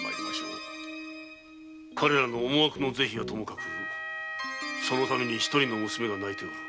彼らの思惑の是非はともかくそのために一人の娘が泣いておる。